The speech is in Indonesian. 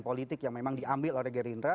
politik yang memang diambil oleh gerindra